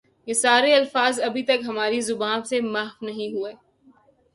یہ سارے الفاظ ابھی تک ہماری زبان سے محو نہیں ہوئے ۔